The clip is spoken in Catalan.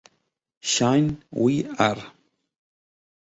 "Shine We Are!"